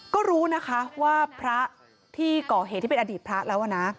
ก็รู้นะคะว่าพระที่ก่อเหตุที่เป็นอดีตพระแล้วนะ